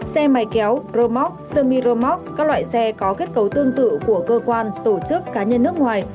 xe máy kéo rơ móc sơ mi rơ móc các loại xe có kết cấu tương tự của cơ quan tổ chức cá nhân nước ngoài